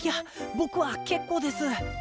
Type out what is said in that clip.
僕は結構です！